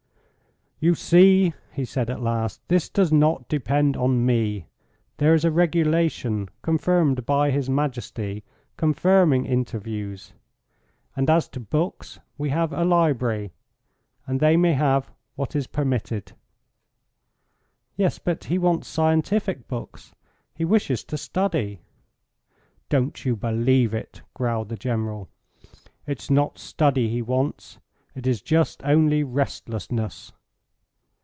"You see," he said at last, "this does not depend on me. There is a regulation, confirmed by His Majesty, concerning interviews; and as to books, we have a library, and they may have what is permitted." "Yes, but he wants scientific books; he wishes to study." "Don't you believe it," growled the General. "It's not study he wants; it is just only restlessness."